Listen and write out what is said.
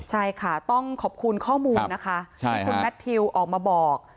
ใช่ค่ะต้องขอบคุณข้อมูลนะคะที่คุณแมททิวออกมาบอก